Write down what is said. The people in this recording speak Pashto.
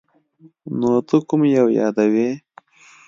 نو ته کوم یو یادوې ؟